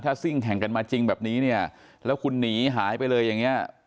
ถ้าซิ่งแข่งกันมาจริงแบบนี้เนี่ยแล้วคุณหนีหายไปเลยอย่างนี้